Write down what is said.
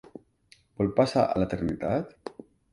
Vol passar a l'eternitat?